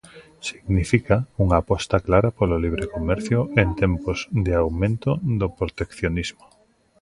Significa unha aposta clara polo libre comercio en tempos de aumento do proteccionismo.